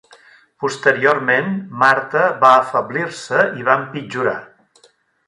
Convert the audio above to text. Posteriorment, Martha va afeblir-se i va empitjorar.